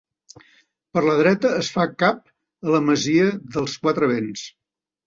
Per la dreta es fa cap a la masia dels Quatre Vents.